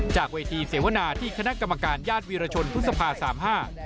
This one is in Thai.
จากเวทีเสวนาที่คณะกรรมการญาติวีรชนพฤษภาสามห้า